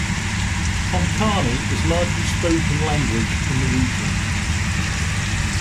Konkani is largely spoken Language in the region.